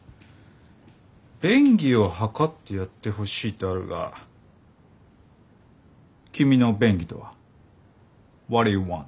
「便宜を図ってやってほしい」とあるが君の「便宜」とは？